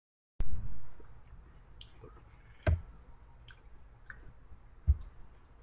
眼斑棘蛙为蛙科蛙属的两栖动物。